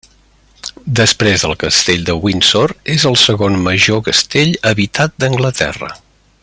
Després del Castell de Windsor, és el segon major castell habitat d'Anglaterra.